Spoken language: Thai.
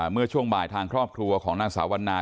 เมื่อช่วงบ่ายทางครอบครัวของนางสาววันนา